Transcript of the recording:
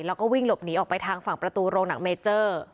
แล้วก็วิ่งหลบหนีออกไปทางฝั่งประตูโรงหนังเมเจอร์